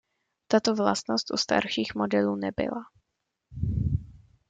Tato vlastnost u starších modelů nebyla.